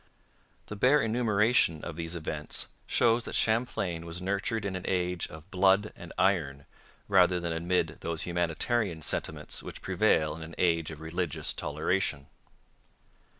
The bare enumeration of these events shows that Champlain was nurtured in an age of blood and iron rather than amid those humanitarian sentiments which prevail in an age of religious toleration.